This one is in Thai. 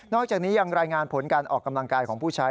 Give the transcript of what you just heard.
อกจากนี้ยังรายงานผลการออกกำลังกายของผู้ใช้